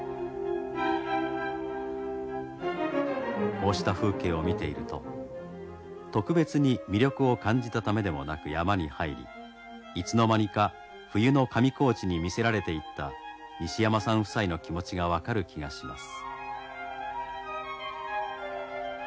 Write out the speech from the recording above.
こうした風景を見ていると特別に魅力を感じたためでもなく山に入りいつの間にか冬の上高地に魅せられていった西山さん夫妻の気持ちが分かる気がします。